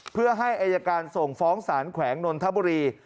เพื่อให้อายการส่งฟ้องสารแขวงนนทบุรี